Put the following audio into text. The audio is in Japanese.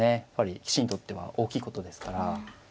やっぱり棋士にとっては大きいことですから。